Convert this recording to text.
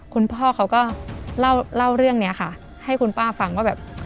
คุณพ่อเขาก็เล่าเรื่องนี้ค่ะให้คุณป้าฟังว่าแบบ